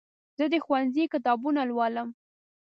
زه د ښوونځي کتابونه لولم.